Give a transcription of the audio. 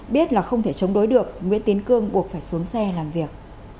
biết là không thể chống đối được nguyễn tiến cương buộc phải xuống xe làm việc